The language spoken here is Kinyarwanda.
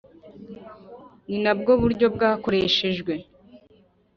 ni nabwo buryo bwakoreshejwe